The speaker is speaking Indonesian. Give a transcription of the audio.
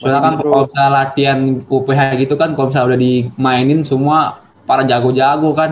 soalnya kan kalo misalnya latihan oph gitu kan kalo misalnya udah di mainin semua para jago jago kan